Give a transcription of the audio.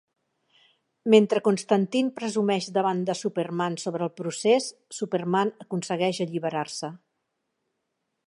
Mentre Constantine presumeix davant de Superman sobre el procés, Superman aconsegueix alliberar-se.